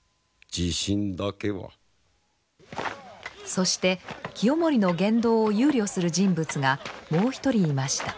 そして清盛の言動を憂慮する人物がもう一人いました。